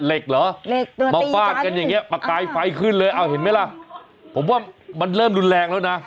เหล็กเหรอมาว้าดกันอย่างนี้ปากปายไฟขึ้นเลยอ้าวเห็นไหมล่ะผมว่ามันเริ่มรุนแรงแล้วนะ